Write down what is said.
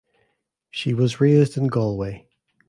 She was raised in Galway.